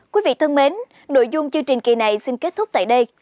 quý vị thân mến nội dung chương trình kỳ này xin kết thúc tại đây